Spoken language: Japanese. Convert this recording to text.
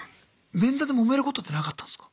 面談でもめることってなかったんすか？